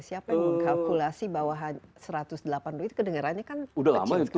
siapa yang mengkalkulasi bahwa satu ratus delapan puluh itu kedengerannya kan kecil sekali